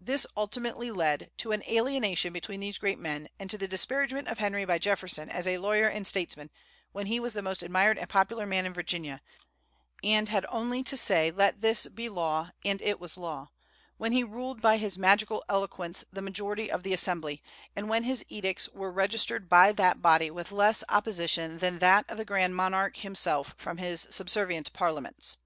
This ultimately led to an alienation between these great men, and to the disparagement of Henry by Jefferson as a lawyer and statesman, when he was the most admired and popular man in Virginia, and "had only to say 'Let this be law,' and it was law, when he ruled by his magical eloquence the majority of the Assembly, and when his edicts were registered by that body with less opposition than that of the Grand Monarque himself from his subservient parliaments."